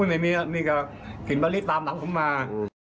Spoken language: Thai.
มีกลิ่นบาริตตามหลังมา